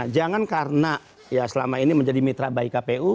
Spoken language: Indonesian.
jangan karena ya selama ini menjadi mitra baik kpu